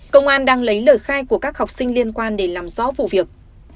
công an đang lấy lời khai của các học sinh liên quan để làm rõ vụ việc